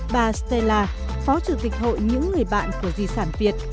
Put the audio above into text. bà stella phó chủ tịch hội những người bạn của di sản việt